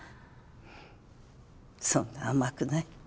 ふっそんな甘くない。